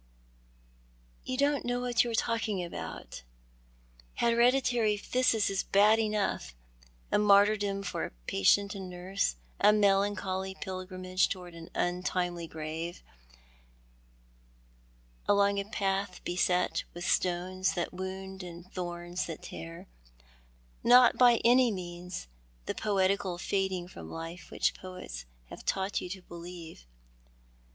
" You don't know what you are talking about. Hereditary phthisis is bad enough — a martyrdom for patient and nurse — a melancholy pilgrimage towards an untimely grave, along a path be?et with stones that wound and thorns that tear— not by any means the poetical fading from life which poets have taught you to believe.